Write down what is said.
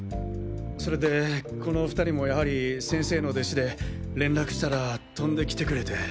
それでこの２人もやはり先生の弟子で連絡したら飛んで来てくれて。